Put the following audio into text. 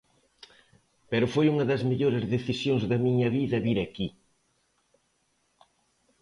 Pero foi unha das mellores decisións da miña vida vir aquí.